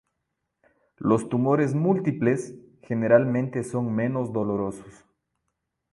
Los tumores múltiples, generalmente son menos dolorosos.